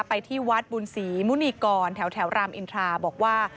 ไปที่วัดบุญศรีมุณีกรแถวรามอินทราบอกว่า